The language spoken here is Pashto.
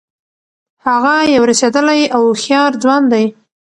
هغه یو رسېدلی او هوښیار ځوان دی.